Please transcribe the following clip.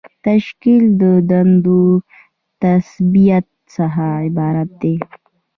تشکیل د دندو د تثبیت څخه عبارت دی.